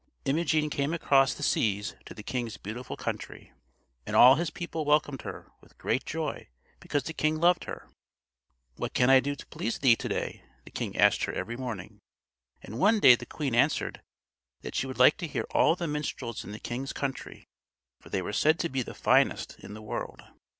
Imogen came across the seas to the king's beautiful country, and all his people welcomed her with great joy because the king loved her. "What can I do to please thee to day?" the king asked her every morning; and one day the queen answered that she would like to hear all the minstrels in the king's country, for they were said to be the finest in the world.